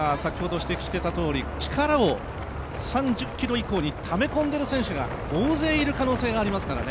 力を３０ｋｍ以降にため込んでいる選手が大勢いる可能性がありますからね。